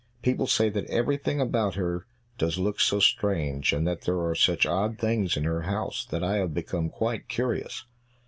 People say that everything about her does look so strange, and that there are such odd things in her house, that I have become quite curious!"